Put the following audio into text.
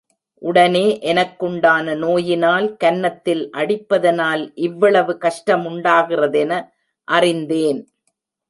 உடனே எனக்குண்டான நோயினால், கன்னத்தில் அடிப்பதனால் இவ்வளவு கஷ்டமுண்டாகிறதென அறிந்தேன்!